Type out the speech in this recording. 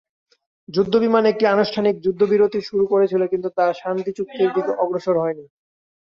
যুদ্ধবিমান একটি আনুষ্ঠানিক যুদ্ধবিরতি শুরু করেছিল কিন্তু তা শান্তি চুক্তির দিকে অগ্রসর হয়নি।